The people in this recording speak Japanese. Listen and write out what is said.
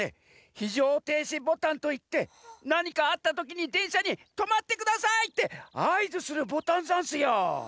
ひじょうていしボタンといってなにかあったときにでんしゃに「とまってください」ってあいずするボタンざんすよ。